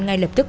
ngay lập tức